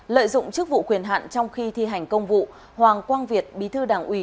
lợi dụng chức vụ quyền hạn trong khi thi hành công vụ hoàng quang việt bí thư đảng ủy